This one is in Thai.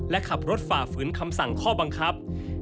และขับรถฝ่าฝืนคำสั่งข้อบังคับ